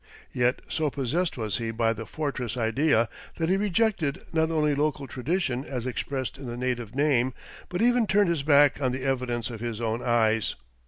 Yet, so possessed was he by the "fortress" idea that he rejected not only local tradition as expressed in the native name, but even turned his back on the evidence of his own eyes.